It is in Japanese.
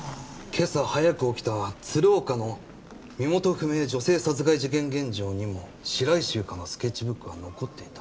今朝早く起きた鶴岡の身元不明女性殺害事件現場にも白石ゆかのスケッチブックは残っていた。